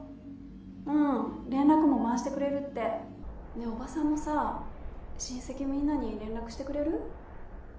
うん連絡網回してくれるって伯母さんもさ親戚みんなに連絡してくれる？